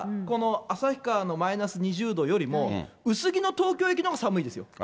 この旭川のマイナス２０度よりも、薄着の東京の雪のほうが寒いんですよ。